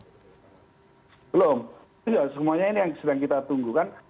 semuanya ini yang sedang kita tunggu kan